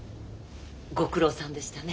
ご苦労さんでしたね。